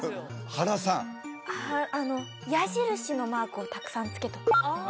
原さんあの矢印のマークをたくさんつけとくああ